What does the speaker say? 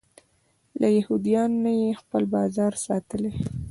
له یهودیانو نه یې خپل بازار ساتلی.